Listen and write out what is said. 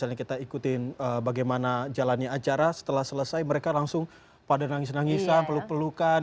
misalnya kita ikutin bagaimana jalannya acara setelah selesai mereka langsung pada nangis nangisan peluk pelukan